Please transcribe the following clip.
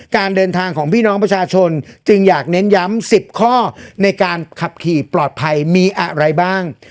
การเดินทางของพี่น้องประชาชนจึงอยากเน้นย้ำ๑๐ข้อในการขับขี่ปลอดภัยมีอะไรบ้าง